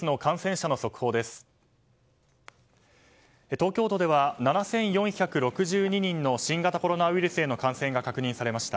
東京都では７４６２人の新型コロナウイルスへの感染が確認されました。